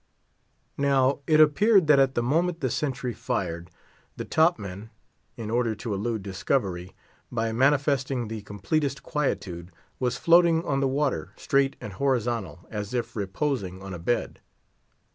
Now, it appeared, that at the moment the sentry fired, the top man—in order to elude discovery, by manifesting the completest quietude—was floating on the water, straight and horizontal, as if reposing on a bed.